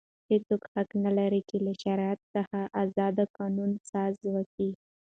هیڅوک حق نه لري، چي له شریعت څخه ازاد قانون سازي وکي.